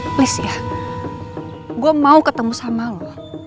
please ya gue mau ketemu sama lo